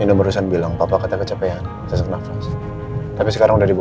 ini merusan bilang papa kata kecapean sesak nafas tapi sekarang dari